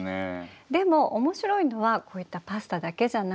でもおもしろいのはこういったパスタだけじゃないの。